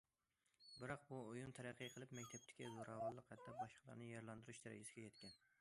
بىراق بۇ ئويۇن تەرەققىي قىلىپ، مەكتەپتىكى زوراۋانلىق ھەتتا باشقىلارنى يارىلاندۇرۇش دەرىجىسىگە يەتكەن.